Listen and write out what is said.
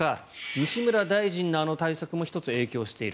西村大臣のあの対策も１つ、影響している。